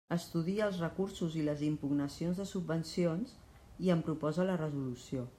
Estudia els recursos i les impugnacions de subvencions i en proposa la resolució.